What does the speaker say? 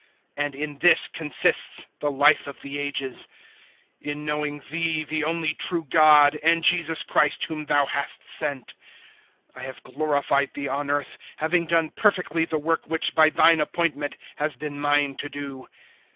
017:003 And in this consists the Life of the Ages in knowing Thee the only true God and Jesus Christ whom Thou hast sent. 017:004 I have glorified Thee on earth, having done perfectly the work which by Thine appointment has been mine to do.